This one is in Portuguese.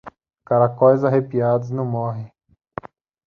Caracóis arrepiados não morrem.